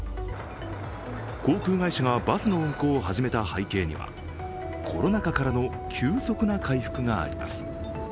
航空会社をバスの運行を始めた背景にはコロナ禍からの急速な回復があります。